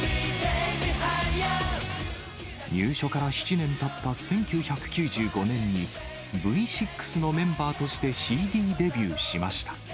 入所から７年たった１９９５年に、Ｖ６のメンバーとしてＣＤデビューしました。